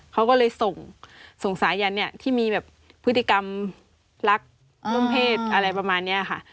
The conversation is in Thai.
เขาก็เลยส่งส่งสายันเนี่ยที่มีแบบพฤติกรรมรักร่วมเพศอะไรประมาณนี้ค่ะ